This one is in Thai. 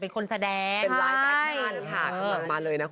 ลักษณะจะอินมาก